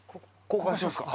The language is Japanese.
交換しますか？